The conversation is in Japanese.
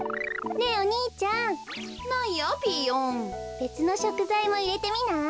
べつのしょくざいもいれてみない？